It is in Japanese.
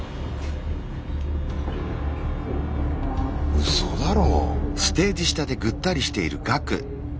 うそだろ。